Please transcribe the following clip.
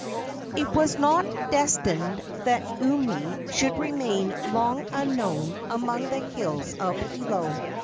It was not destined that Umi should remain long unknown among the hills of Hilo.